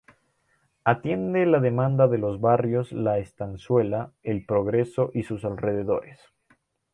Atiende la demanda de los barrios La Estanzuela, El Progreso y sus alrededores.